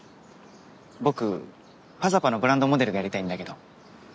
僕「ｐａｚａｐａ」のブランドモデルがやりたいんだけど。